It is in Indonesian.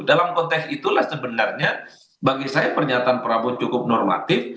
dalam konteks itulah sebenarnya bagi saya pernyataan prabowo cukup normatif